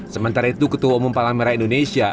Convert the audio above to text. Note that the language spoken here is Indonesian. sementara itu ketua umum palang merah indonesia